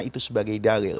itu sebagai dalil